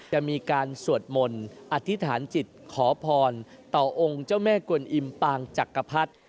จะมีการสวดมนต์อธิษฐานจิตขอพรต่อองค์เจ้าแม่กวนอิมปางจักรพรรดิ